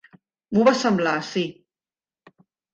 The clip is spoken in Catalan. M'ho va semblar, sí.